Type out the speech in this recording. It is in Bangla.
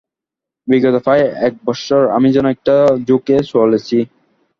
বিগত প্রায় এক বৎসর আমি যেন একটা ঝোঁকে চলেছি।